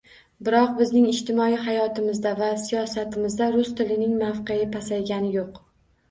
Biroq, bizning ijtimoiy hayotimizda va siyosatimizda rus tilining mavqei pasaygani yo'q